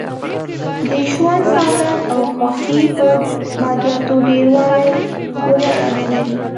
د ژوند سعادت او خوښي په مادیاتو ډېر والي پورې اړه نه لري.